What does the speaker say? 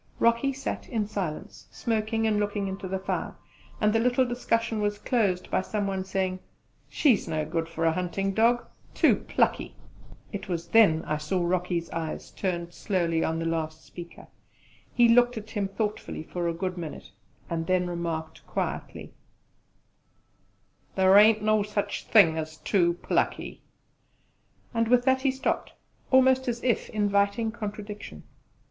Rocky sat in silence, smoking and looking into the fire, and the little discussion was closed by some one saying, "She's no good for a hunting dog too plucky!" It was then I saw Rocky's eyes turned slowly on the last speaker: he looked at him thoughtfully for a good minute, and then remarked quietly: "Thar ain't no sich thing as too plucky!" And with that he stopped, almost as if inviting contradiction.